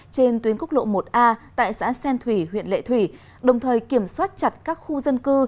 trên tuyến quốc lộ một a tại xã xen thủy huyện lệ thủy đồng thời kiểm soát chặt các khu dân cư